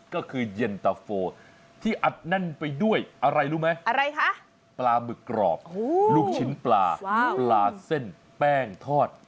ก็คือเย็นตะโฟที่อัดแน่นไปด้วยอะไรรู้ไหมอะไรคะปลาหมึกกรอบลูกชิ้นปลาปลาเส้นแป้งทอด